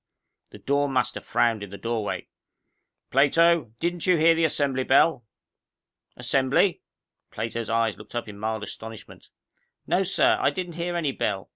The dorm master frowned from the doorway. "Plato, didn't you hear the Assembly bell?" "Assembly?" Plato's eyes looked up in mild astonishment. "No, sir, I didn't hear any bell.